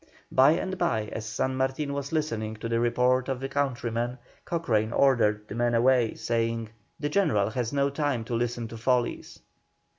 By and by, as San Martin was listening to the report of a countryman, Cochrane ordered the man away, saying: "The General has no time to listen to follies."